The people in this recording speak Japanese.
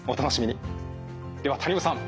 では谷本さん